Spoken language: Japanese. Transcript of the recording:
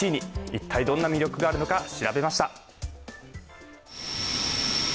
一体どんな魅力があるのか調べました。